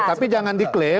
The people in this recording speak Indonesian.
tapi jangan diklaim